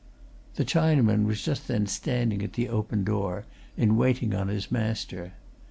The Chinaman was just then standing at the open door, in waiting on his master.